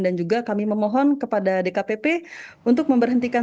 dan juga kami memohon kepada dkpp untuk memberhentikan